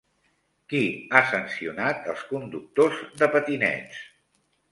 Qui ha sancionat els conductors de patinets?